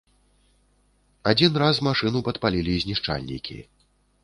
Адзін раз машыну падпалілі знішчальнікі.